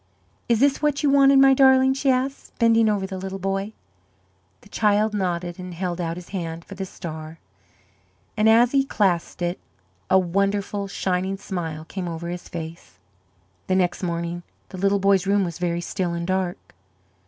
"Is this what you wanted, my darling?" she asked, bending over the little boy. The child nodded and held out his hands for the star; and as he clasped it a wonderful, shining smile came over his face. The next morning the little boy's room was very still and dark.